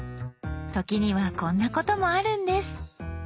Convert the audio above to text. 時にはこんなこともあるんです。